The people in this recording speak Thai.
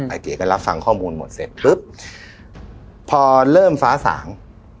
เก๋ก็รับฟังข้อมูลหมดเสร็จปุ๊บพอเริ่มฟ้าสาง